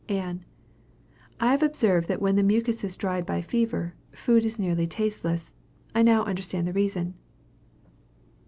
Ann. I have observed that when the mucus is dried by fever, food is nearly tasteless. I now understand the reason.